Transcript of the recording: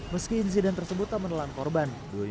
meski insiden tersebut tak menelan korban